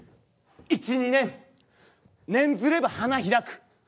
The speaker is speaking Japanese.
１２年「念ずれば花開く」。